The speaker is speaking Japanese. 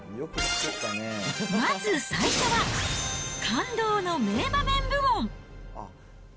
まず最初は、感動の名場面部門。